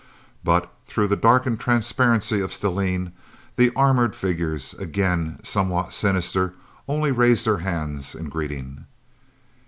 But through the darkened transparency of stellene, the armored figures again somewhat sinister only raised their hands in greeting.